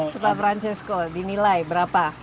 kepala francesco dinilai berapa